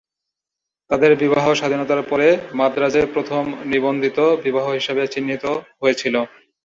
তাদের বিবাহ স্বাধীনতার পরে মাদ্রাজে প্রথম নিবন্ধিত বিবাহ হিসাবে চিহ্নিত হয়েছিল।